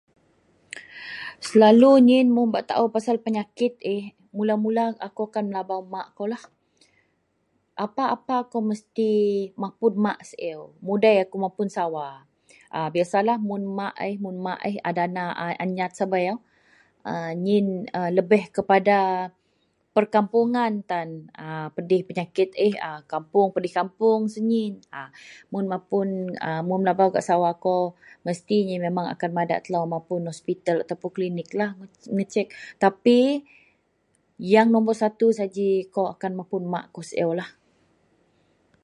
Selalu niyin mun bak tao penyakit ih. Mula-mula akou akan melabau mak kou lah. Apa-apa akou mesti mapun mak siew mak mudei mapun sawa, biasalah mun mak ih maklum a dana a nyat sabaei ien lebih kepada pekampuongan tan pedeh penyakit ih pedeh kampoung sau nyin, Mun mapun melabau gak sawa kou, mesti niyen madak mapun hospital atau klinik lah bak mecek. Tapi yang nobor satu saji akou akan mapun mak kou siew lah.